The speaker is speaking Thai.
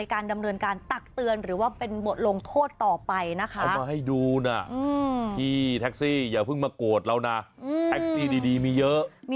ที่แท็กซี่อย่าเพิ่งมาโกรธเรานะแท็กซี่ดีมีเยอะ